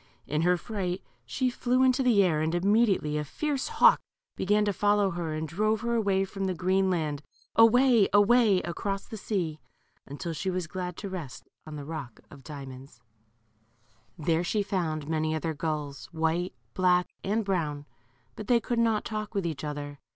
In her fright she flew into the air, and immedi ately a fierce hawk began to follow her, and drove ner away from the green land, away, away, across the sea, until she was glad to rest on the rock of diamonds. 122 LITTLE GURLT. There she found many other gulls^ white, black, and brown, but they could not talk with each other.